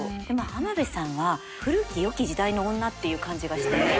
でまあ浜辺さんは古きよき時代の女っていう感じがして。